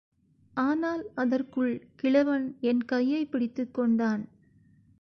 ஆனால் அதற்குள் கிழவன் என் கையைப் பிடித்துக் கொண்டான்.